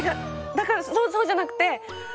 だからそうじゃなくて！